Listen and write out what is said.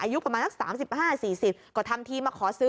อายุประมาณสัก๓๕๔๐ก็ทำทีมาขอซื้อ